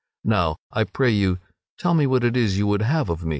Now I pray you tell me what it is you would have of me."